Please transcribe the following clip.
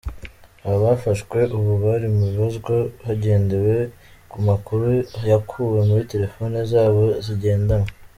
Aba bafashwe ubu bari mu ibazwa hagendewe ku makuru yakuwe muri telefoni zabo zigendanwa.